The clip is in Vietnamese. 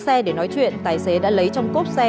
xe để nói chuyện tài xế đã lấy trong cốp xe